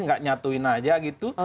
tidak menyatukan saja gitu